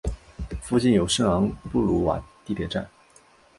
附近有圣昂布鲁瓦地铁站。